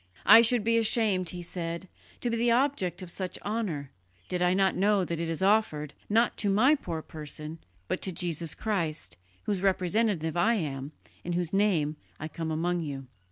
"I should be ashamed," he said, "to be the object of such honour, did I not know that it is offered, not to my poor person, but to Jesus Christ, whose representative I am and in whose name I come among you.